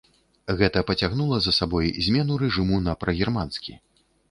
Гэта пацягнула за сабой змену рэжыму на прагерманскі.